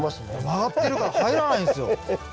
曲がってるから入らないんすよ。